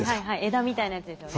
枝みたいなやつですよね。